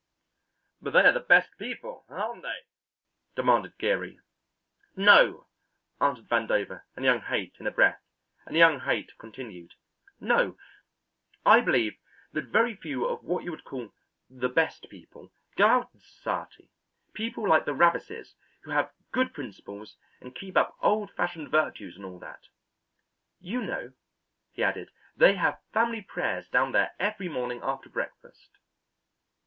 "But they are the best people, aren't they?" demanded Geary. "No," answered Vandover and young Haight in a breath, and young Haight continued: "No; I believe that very few of what you would call the 'best people' go out in society people like the Ravises, who have good principles, and keep up old fashioned virtues and all that. You know," he added, "they have family prayers down there every morning after breakfast."